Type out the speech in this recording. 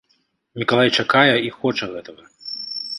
Мікалай чакае і хоча гэтага.